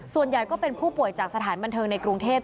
ส่วนใหญ่ก็เป็นผู้ป่วยจากสถานบันเทิงในกรุงเทพ